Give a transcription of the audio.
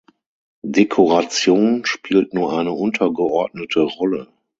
Dekoration spielt nur eine untergeordnete Rolle.